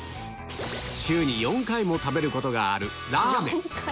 週に４回も食べることがあるさぁ